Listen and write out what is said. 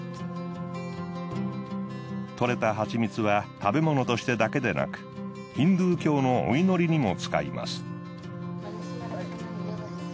採れた蜂蜜は食べ物としてだけでなくヒンドゥー教のお祈りにも使います。